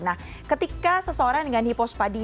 nah ketika seseorang dengan hipospadia tidak dioperasi